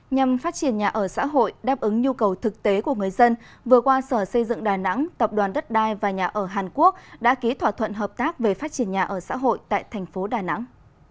nhằm phát triển nhà ở xã hội đáp ứng nhu cầu thực tế của người dân vừa qua sở xây dựng đà nẵng tập đoàn đất đai và nhà ở hàn quốc đã ký thỏa thuận hợp tác về phát triển nhà ở xã hội tại thành phố đà nẵng